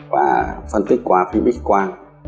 và phân tích qua phim bích quang